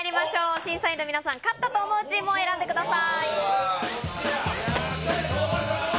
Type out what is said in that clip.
審査員の皆さん、勝ったと思うチームを選んでください。